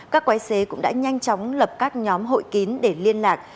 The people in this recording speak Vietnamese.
các quái xế cũng đã nhanh chóng lập các nhóm hội kín để liên lạc